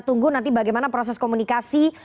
tunggu nanti bagaimana proses komunikasi